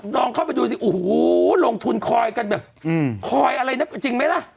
ลองเข้าไปดูสิโอ้โหลงทุนคอยกันแบบคอยอะไรนะจริงไหมล่ะ